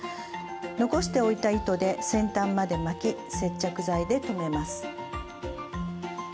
残しておいた糸で先端まで巻き接着剤で留めます。